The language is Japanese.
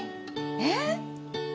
えっ？